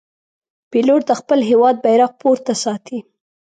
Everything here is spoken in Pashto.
پیلوټ د خپل هېواد بیرغ پورته ساتي.